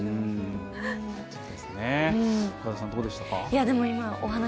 岡田さん、どうでしたか？